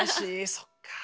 そっか。